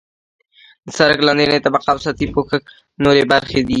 د سرک لاندنۍ طبقه او سطحي پوښښ نورې برخې دي